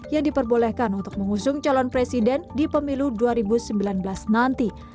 yang diperbolehkan untuk mengusung calon presiden di pemilu dua ribu sembilan belas nanti